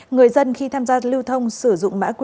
người dân khi tham gia lưu thông sử dụng mã q